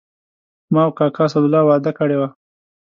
ما او کاکا اسدالله وعده کړې وه.